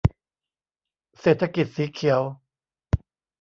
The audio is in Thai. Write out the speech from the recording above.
เศรษฐกิจสีเขียว